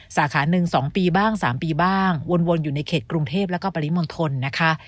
สาขาหนึ่ง๒ปีบ้าง๓ปีบ้างวนอยู่ในเขตกรุงเทพแล้วก็ปริมณฑลนะคะ